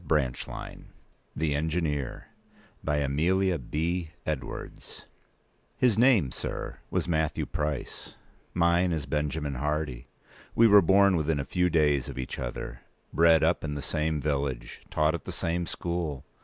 5 BRANCH LINE THE ENGINEER His name, sir, was Matthew Price; mine is Benjamin Hardy. We were born within a few days of each other; bred up in the same village; taught at the same school.